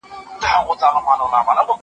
زه اجازه لرم چي لیکل وکړم؟!